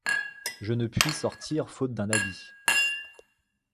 Je ne puis sortir faute d'un habit.